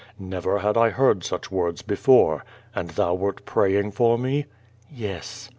Never had I heard such words before. And thou wert praying for me?" ,^\ "Yes."